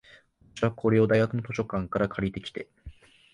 私は、これを大学の図書館から借りてきて、